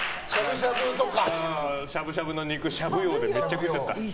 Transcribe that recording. しゃぶしゃぶの肉しゃぶ葉でめっちゃ食っちゃった。